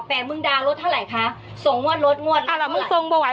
แต่มึงดาวรถเท่าไหร่คะส่งงวดรถงวดอ่าหรอมึงส่งบ่ไหว